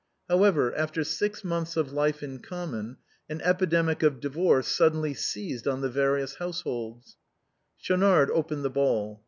However, after six months of life in common, an epi demic of divorce suddenly seized on the various households, Schaunard opened the ball.